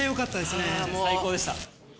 最高でした。